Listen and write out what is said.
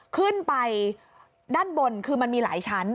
ขึ้นไปด้านบนคือมันมีหลายชั้น